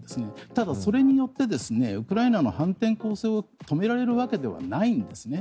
ただ、それによってウクライナの反転攻勢を止められるわけではないんです。